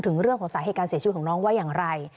เรื่องของสาเหตุการเสียชีวิตของน้องว่าอย่างไร